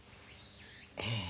ええ。